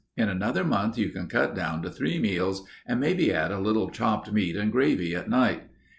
In another month you can cut down to three meals and maybe add a little chopped meat and gravy at night.